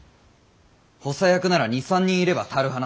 補佐役なら２３人いれば足る話。